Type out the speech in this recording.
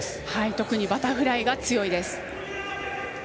特にバタフライが強いです。